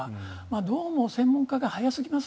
どうも専門家が早すぎます